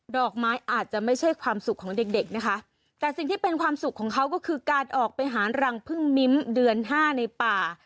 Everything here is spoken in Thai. ดอกไม้อาจจะไม่ใช่ความสุขของเด็กเด็กนะคะแต่สิ่งที่เป็นความสุขของเขาก็คือการออกไปหารังพึ่งมิ้มเดือนห้าในป่า